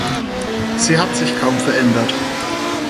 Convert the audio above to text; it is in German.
Sie hat sich kaum verändert.